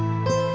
gak ada apa apa